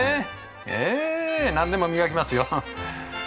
ええ何でも磨きますよ。